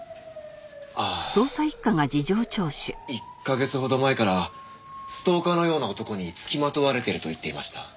ああ１カ月ほど前からストーカーのような男に付きまとわれてると言っていました。